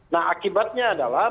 nah akibatnya adalah